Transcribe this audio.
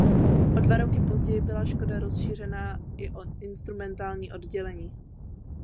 O dva roky později byla škola rozšířena i o instrumentální oddělení.